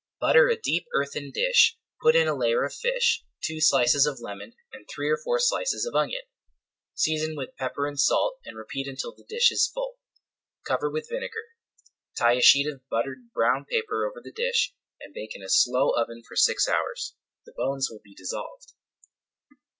Butter a deep earthen dish, put in a layer of fish, two slices of lemon, and three or four slices of onion. Season with pepper and salt and repeat until the dish is full, cover with vinegar, tie a sheet of buttered brown paper over the dish, and bake in a slow oven for six hours. The bones will be dissolved.